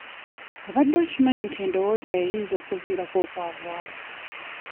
Obadde okimanyi nti endowoozayo eyinza okkuviirako okwavuwala?